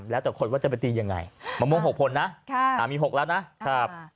แล้วแต่คนว่าจะไปตียังไงมะม่วง๖ผลนะมี๖แล้วนะครับ